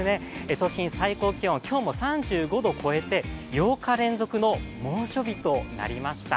都心、最高気温は今日も３５度を超えて８日連続の猛暑日となりました。